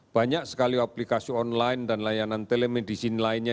banyak sekali aplikasi online dan layanan telemedicine lainnya